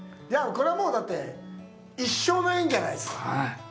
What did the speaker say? これは、もうだって、一生の縁じゃないですか。